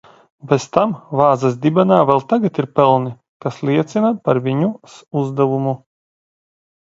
Bez tam vāzes dibenā vēl tagad ir pelni, kas liecina par viņas uzdevumu.